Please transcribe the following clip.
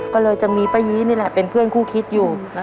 ก็เลยจะมีป้ายีนี่แหละเป็นเพื่อนคู่คิดอยู่